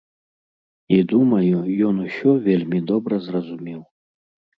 І думаю, ён усё вельмі добра зразумеў.